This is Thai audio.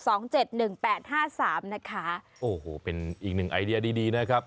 โอ้โหเป็นอีกหนึ่งไอเดียดีดีนะครับ